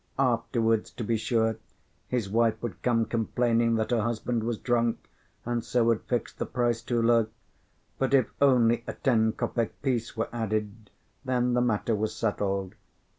Afterwards, to be sure, his wife would come, complaining that her husband was drunk, and so had fixed the price too low; but, if only a ten kopek piece were added, then the matter was settled.